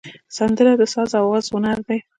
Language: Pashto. سندره د ساز او آواز هنر دی